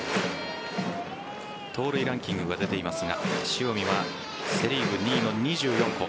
盗塁ランキングが出ていますが塩見はセ・リーグ２位の２４個。